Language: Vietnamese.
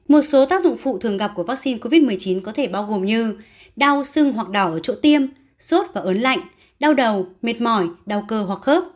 một số tác dụng phụ thường gặp của vaccine covid một mươi chín có thể bao gồm như đau sưng hoặc đỏ ở chỗ tiêm sốt và ớn lạnh đau đầu mệt mỏi đau cơ hoặc khớp